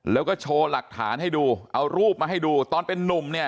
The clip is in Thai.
แล้วก็โชว์หลักฐานให้ดูเอารูปมาให้ดูตอนเป็นนุ่มเนี่ย